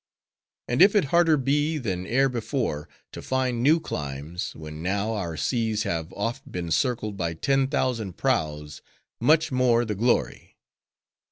And if it harder be, than e'er before, to find new climes, when now our seas have oft been circled by ten thousand prows,—much more the glory!